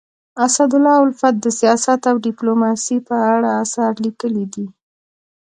اسدالله الفت د سیاست او ډيپلوماسی په اړه اثار لیکلي دي.